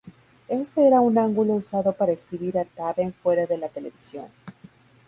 Este era un ángulo usado para escribir a Taven fuera de la televisión.